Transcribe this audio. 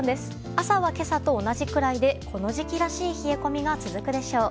朝は今朝と同じくらいでこの時期らしい冷え込みが続くでしょう。